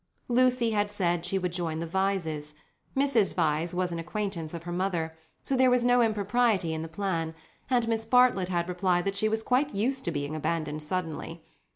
Lucy had said she would join the Vyses—Mrs. Vyse was an acquaintance of her mother, so there was no impropriety in the plan and Miss Bartlett had replied that she was quite used to being abandoned suddenly.